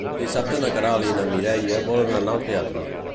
Dissabte na Queralt i na Mireia volen anar al teatre.